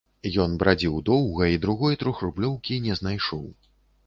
Ён брадзіў доўга і другой трохрублёўкі не знайшоў.